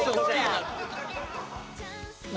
「何？